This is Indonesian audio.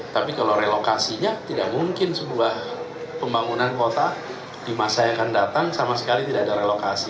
tapi kalau relokasinya tidak mungkin sebuah pembangunan kota di masa yang akan datang sama sekali tidak ada relokasi